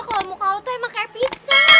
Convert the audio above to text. kalau muka lo tuh emang kayak pizza